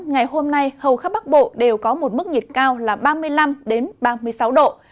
ngày hôm nay hầu khắp bắc bộ đều có một mức nhiệt cao là ba mươi năm ba mươi sáu độ